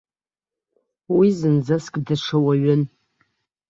Уи зынӡаск даҽа уаҩын.